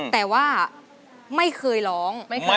แต่ว่าไม่เคยร้อง